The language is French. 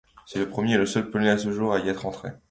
C’est le premier et le seul polonais à ce jour, à y être entré.